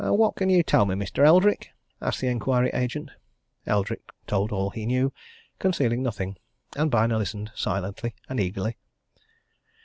"What can you tell me, Mr. Eldrick?" asked the inquiry agent. Eldrick told all he knew concealing nothing. And Byner listened silently and eagerly.